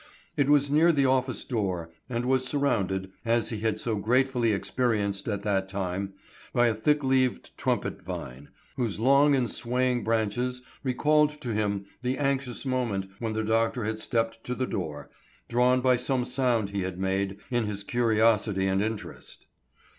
It was near the office door, and was surrounded, as he had so gratefully experienced at that time, by a thick leaved trumpet vine, whose long and swaying branches recalled to him the anxious moment when the doctor had stepped to the door, drawn by some sound he had made in his curiosity and interest.